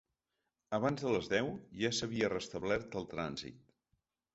Abans de les deu ja s’havia restablert el trànsit.